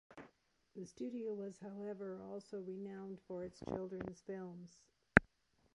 The studio was, however, also renowned for its children's films.